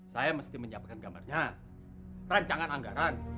saya mesti menyampaikan gambarnya rancangan anggaran